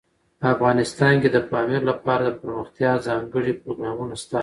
افغانستان کې د پامیر لپاره دپرمختیا ځانګړي پروګرامونه شته.